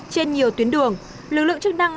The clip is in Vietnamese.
trên nhiều tuyến đường lực lượng chức năng